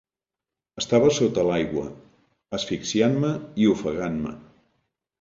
Estava sota l'aigua, asfixiant-me i ofegant-me.